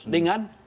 dengan dua headline